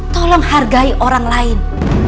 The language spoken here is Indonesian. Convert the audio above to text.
tolong hargai orang lain